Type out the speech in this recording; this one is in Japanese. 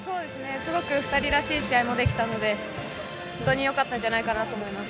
すごく２人らしい試合もできたので本当に良かったんじゃないかなと思います。